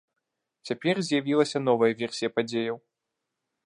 Цяпер з'явілася новая версія падзеяў.